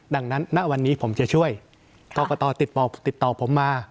ดังนั้นณวันนี้ผมจะช่วยกรกตติดต่อติดต่อผมมา